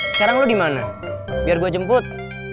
sekarang lu dimana biar gua jemput